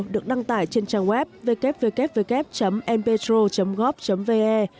được đăng tải trên trang web www npetro gov ve